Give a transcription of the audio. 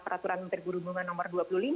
peraturan menteri perhubungan nomor dua puluh lima